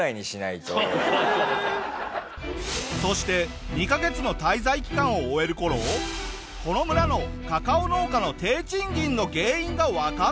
そして２カ月の滞在期間を終える頃この村のカカオ農家の低賃金の原因がわかってきたぞ！